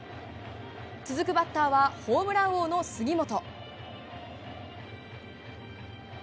続くバッターはホームラン王の杉本。